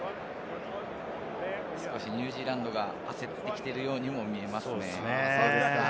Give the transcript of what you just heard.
少しニュージーランドが焦ってきているようにも見えますね。